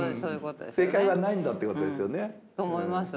正解はないんだってことですよね。と思います。